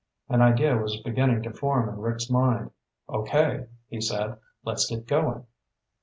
An idea was beginning to form in Rick's mind. "Okay," he said. "Let's get going."